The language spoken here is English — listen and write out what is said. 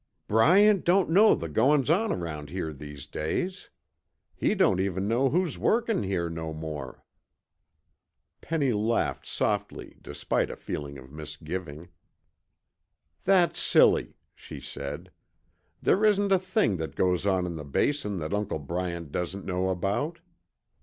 "Bryant don't know the goin's on around here these days. He don't even know who's workin' here no more." Penny laughed softly despite a feeling of misgiving. "That's silly," she said. "There isn't a thing that goes on in the Basin that Uncle Bryant doesn't know about."